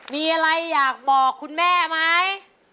มีอะไรอยากบอกคุณแม่ไหม